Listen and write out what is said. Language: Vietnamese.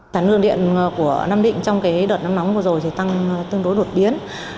sản lượng điện của nam định trong đợt nắng nóng vừa rồi tăng tương đối đột biến